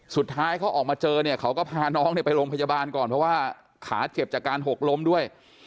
สุดท้ายเขาออกมาเจอเนี่ยเขาก็พาน้องไปโรงพยาบาลก่อนเพราะว่าขาเจ็บจากการหกล้มด้วย